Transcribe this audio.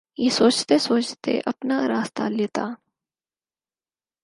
یہ سوچتے سوچتے اپنا راستہ لیتا